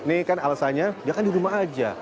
ini kan alasannya jangan di rumah aja